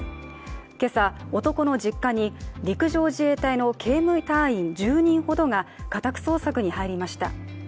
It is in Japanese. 今朝、男の実家に陸上自衛隊の警務隊員１０人ほどが家宅捜索に入りました。